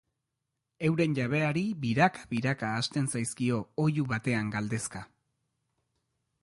Euren jabeari biraka-biraka hasten zaizkio oihu batean galdezka.